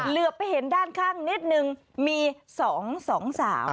เลือกไปเห็นด้านข้างนิดนึงมีสองสองสาม